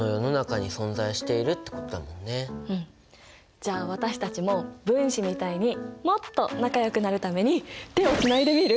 じゃあ私たちも分子みたいにもっと仲よくなるために手をつないでみる？